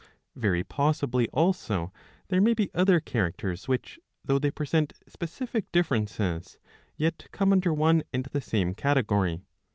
(Very possibly also there may be other characters which, though they present specific differences, yet come under one and the same category.